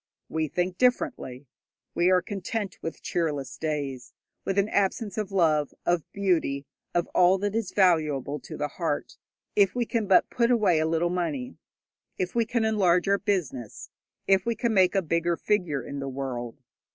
We think differently. We are content with cheerless days, with an absence of love, of beauty, of all that is valuable to the heart, if we can but put away a little money, if we can enlarge our business, if we can make a bigger figure in the world.